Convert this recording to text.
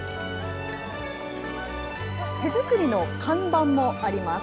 手作りの看板もあります。